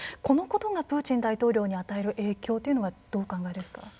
このことがプーチン大統領に与える影響はどうお考えですか？